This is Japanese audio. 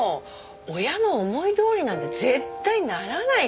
親の思いどおりなんて絶対ならないって。